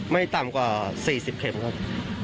ไม่ต่ำกว่า๔๐เข็มครับ